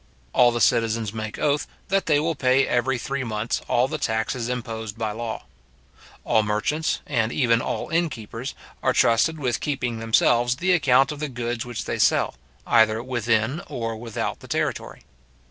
All the citizens make oath, that they will pay every three months all the taxes imposed by law. All merchants, and even all inn keepers, are trusted with keeping themselves the account of the goods which they sell, either within or without the territory.